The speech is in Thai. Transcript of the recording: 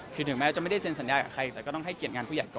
คือถึงแม้กันจะไม่ได้เซ็นสัญญากับใครอีกยังให้เกียรติการผู้ใหญ่ตก